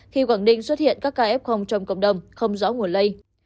khi quảng ninh xuất hiện các ca f trong cộng đồng không rõ nguồn lây